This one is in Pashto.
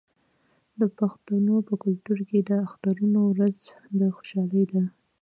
د پښتنو په کلتور کې د اخترونو ورځې د خوشحالۍ دي.